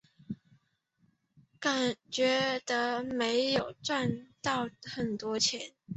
觉得没有赚到很多钱